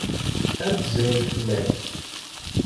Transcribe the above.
Ad d-zrint fell-ak.